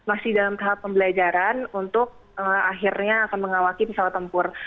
jadi saya masih dalam tahap pembelajaran untuk akhirnya akan mengawalki pesawat tempur